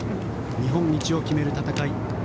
日本一を決める戦い。